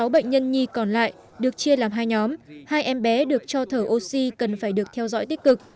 sáu bệnh nhân nhi còn lại được chia làm hai nhóm hai em bé được cho thở oxy cần phải được theo dõi tích cực